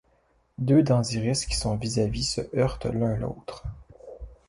Deux Danziris qui sont vis-à-vis se heurtent l'un l'autre.